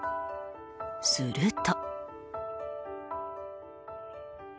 すると。